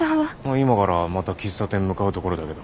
今からまた喫茶店向かうところだけど。